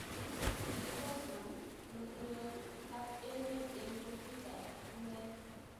Kikikosman Lokiwek ab emet eng' Kutit ab chumbeek